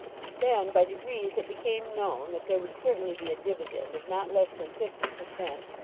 Then by degrees it became known that there would certainly be a dividend of not less than fifty per cent.